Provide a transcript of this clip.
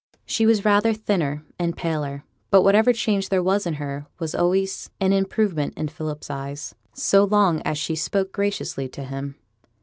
She was rather thinner and paler; but whatever change there was in her was always an improvement in Philip's eyes, so long as she spoke graciously to him.